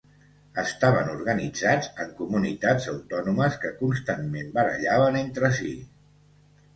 Estaven organitzats en comunitats autònomes que constantment barallaven entre si.